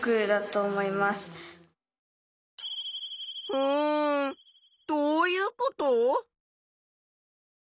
うんどういうこと？